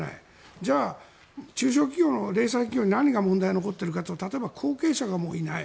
じゃあ、中小企業の零細企業に何が問題が残っているかと言ったら例えば後継者がいない。